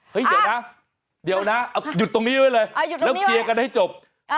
เดี๋ยวนะเดี๋ยวนะหยุดตรงนี้ไว้เลยแล้วเคลียร์กันให้จบ